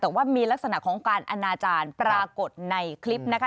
แต่ว่ามีลักษณะของการอนาจารย์ปรากฏในคลิปนะคะ